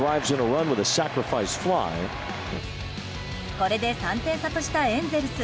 これで３点差としたエンゼルス。